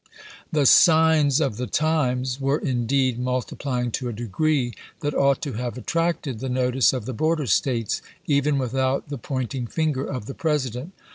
i8b2. rj\^Q u gigi2g of the times " were indeed multiply ing to a degree that ought to have attracted the notice of the border States, even without the point ing finger of the President.